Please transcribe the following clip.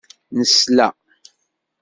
Nesla.